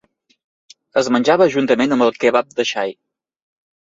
Es menjava juntament amb el kebab de xai.